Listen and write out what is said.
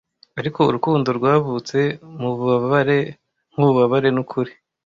Ariko urukundo rwavutse Mububabare, nkububabare, nukuri.